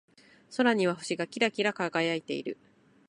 空には星がキラキラ輝いている。